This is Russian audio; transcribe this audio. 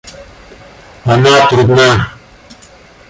Она трудна.